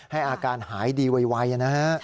ให้อาการหายดีไวนะฮะ